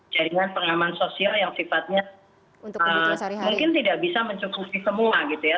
jaringan pengaman sosial yang sifatnya mungkin tidak bisa mencukupi semua gitu ya